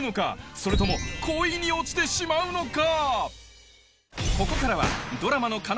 それとも恋に落ちてしまうのか？